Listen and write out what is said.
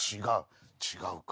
違うか。